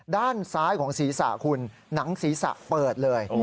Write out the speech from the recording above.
ด้านซ้ายของศีรษะคุณหนังศีรษะเปิดเลย